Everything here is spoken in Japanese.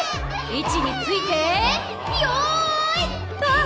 位置についてよいあっ！